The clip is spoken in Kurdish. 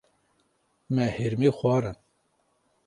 Me hirmî xwarin.